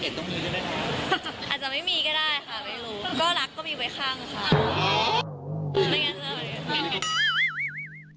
ก็รักก็มีไว้ข้าง